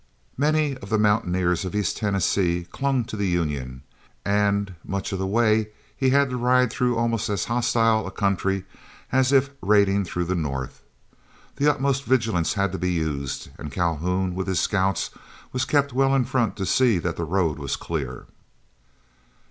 Many of the mountaineers of East Tennessee clung to the Union, and much of the way he had to ride through almost as hostile a country as if raiding through the North. The utmost vigilance had to be used, and Calhoun, with his scouts, was kept well in front to see that the road was clear.